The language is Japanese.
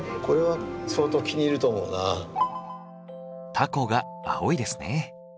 タコが青いですね。